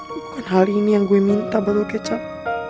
bukan hal ini yang gue minta botol kecap